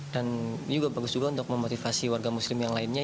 dan juga bagus juga untuk memotivasi warga muslim yang lainnya